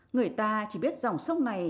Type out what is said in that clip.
người ta chỉ biết dòng sông này